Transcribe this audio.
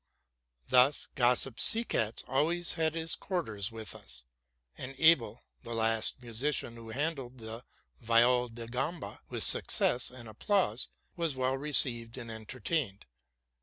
Thus gossip Seekatz always had his quarters with us; and Abel, the last musician who handled the viol di gamba with success and applause, was well received and entertained.